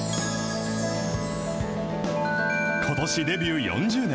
ことしデビュー４０年。